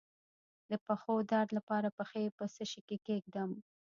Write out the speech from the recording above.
د پښو د درد لپاره پښې په څه شي کې کیږدم؟